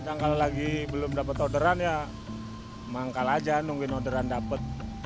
dan kalau lagi belum dapat orderan ya manggal saja nungguin orderan dapat